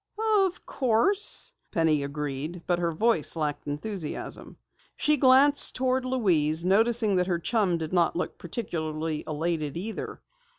"Of course," Penny agreed, but her voice lacked enthusiasm. She glanced toward Louise, noticing that her chum did not look particularly elated either.